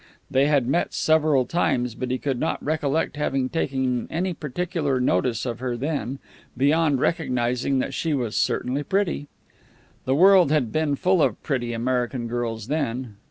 They had met several times, but he could not recollect having taken any particular notice of her then, beyond recognizing that she was certainly pretty. The world had been full of pretty American girls then.